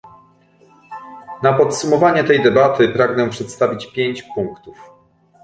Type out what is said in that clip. Na podsumowanie tej debaty pragnę przedstawić pięć punktów